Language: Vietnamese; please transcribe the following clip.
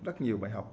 rất nhiều bài học